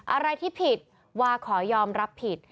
อะไรที่ผิดวาขอยอมรับผิด